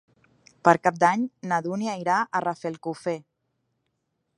Per Cap d'Any na Dúnia irà a Rafelcofer.